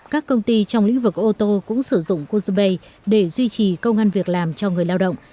chín mươi bốn các công ty trong lĩnh vực ô tô cũng sử dụng cujabay để duy trì công an việc làm cho người lao động